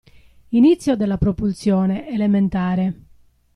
Inizio della propulsione (elementare).